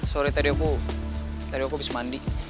sorry tadi aku habis mandi